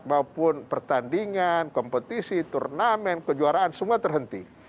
maupun pertandingan kompetisi turnamen kejuaraan semua terhenti